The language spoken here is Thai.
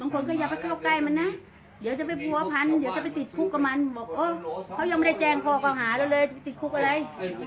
เขายังไม่ได้แจงพอเขาหาแล้วเลยติดคุกอะไรอย่างเงี้ย